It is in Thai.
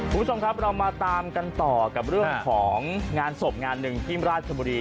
คุณผู้ชมครับเรามาตามกันต่อกับเรื่องของงานศพงานหนึ่งที่ราชบุรี